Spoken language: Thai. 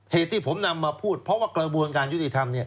เหตุที่ผมนำมาพูดเพราะว่ากระบวนการยุติธรรม